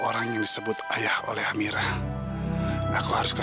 saya sebenarnya bukan